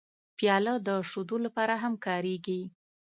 پیاله د شیدو لپاره هم کارېږي.